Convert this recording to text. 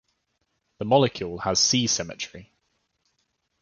The molecule has C symmetry.